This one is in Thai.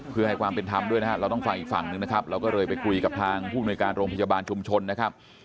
เพื่อให้ความเป็นธรรมด้วยนะครับเราต้องฟังอีกฝั่งหนึ่งนะครับเราก็เลยไปคุยกับทางผู้มนุยการโรงพยาบาลชุมชนนะครับ